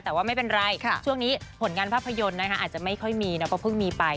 แต่ว่าไม่เป็นไรช่วงนี้ผลงานภาพยนตร์อาจจะไม่ค่อยมีนะก็เพิ่งมีไป